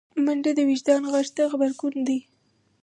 منډه د وجدان غږ ته غبرګون دی